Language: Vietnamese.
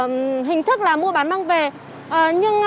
mình chuẩn bị từ năm giờ sáng